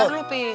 oh taduh pi